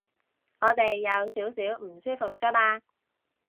我哋有少少唔舒服啫嘛